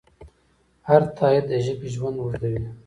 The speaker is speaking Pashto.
هر تایید د ژبې ژوند اوږدوي.